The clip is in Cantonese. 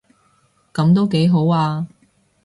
噉都幾好吖